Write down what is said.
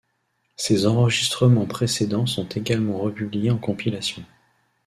Ses enregistrements précédents sont également republiés en compilations.